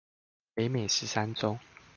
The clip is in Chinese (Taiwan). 北美十三州